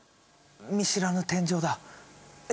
見知らぬ天井だ。え？